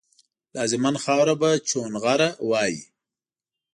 لازما خاوره به چونغره وایي